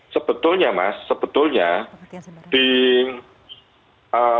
sebetulnya mas sebetulnya di penemuan kasus ini